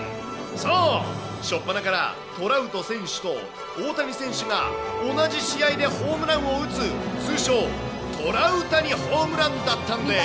そう、しょっぱなからトラウト選手と大谷選手が同じ試合でホームランを打つ、通称、トラウタニホームランだったんです。